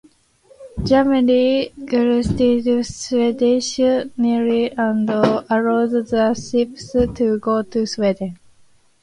Germany guaranteed Swedish neutrality and allowed the ships to go to Sweden.